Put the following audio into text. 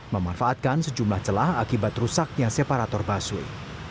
memanfaatkan sejumlah celah akibat rusaknya separator busway